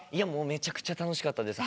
めちゃくちゃ楽しかったです。